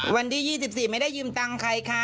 วันที่๒๔ไม่ได้ยืมตังค์ใครคะ